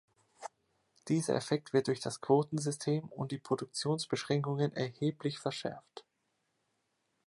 Dieser Effekt wird durch das Quotensystem und die Produktionsbeschränkungen erheblich verschärft.